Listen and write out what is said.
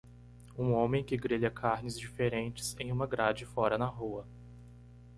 Um homem que grelha carnes diferentes em uma grade fora na rua.